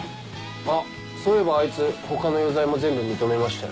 あっそういえばあいつ他の余罪も全部認めましたよ。